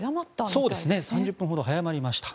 そうですね３０分ほど早まりました。